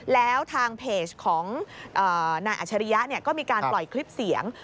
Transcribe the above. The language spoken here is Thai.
แล้วทางเพจของนายอัชริยะก็มีการปล่อยคลิปเสียง